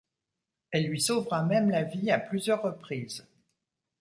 Elle lui sauvera même la vie à plusieurs reprises.